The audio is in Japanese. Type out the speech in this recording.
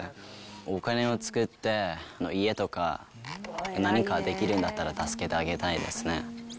お金を作って、家とか何かできるんだったら助けてあげたいですね。